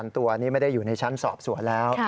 ตัวนี้ไม่ได้อยู่ในชั้นสอบสวนแล้ว